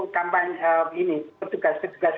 kampanye ini petugas petugas